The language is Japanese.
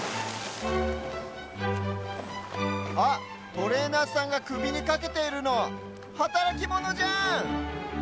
あっトレーナーさんがくびにかけているのはたらきモノじゃん！